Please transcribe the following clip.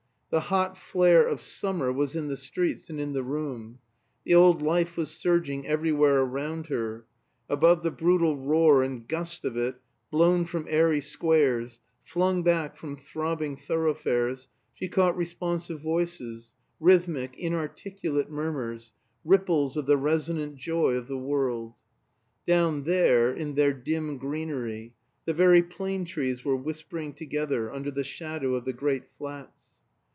The hot flare of summer was in the streets and in the room; the old life was surging everywhere around her; above the brutal roar and gust of it, blown from airy squares, flung back from throbbing thoroughfares, she caught responsive voices, rhythmic, inarticulate murmurs, ripples of the resonant joy of the world. Down there, in their dim greenery, the very plane trees were whispering together under the shadow of the great flats.